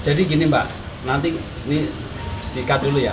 jadi gini mbak nanti ini diikat dulu ya